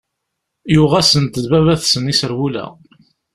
Yuɣ-asen-d baba-tsen iserwula.